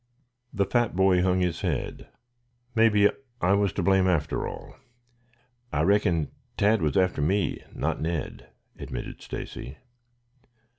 The fat boy hung his head. "Maybe I was to blame, after all. I reckon Tad was after me, not Ned," admitted Stacy.